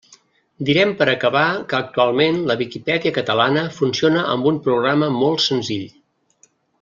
Direm per acabar que actualment la Viquipèdia catalana funciona amb un programa molt senzill.